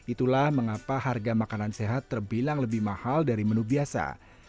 itulah mengapa harga makanan sehat terbilang lebih mahal dari menu biasa